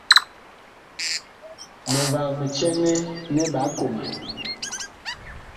Mivag mi cɛŋɛ nɛ ɓaa koman.